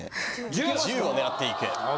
１０を狙っていく。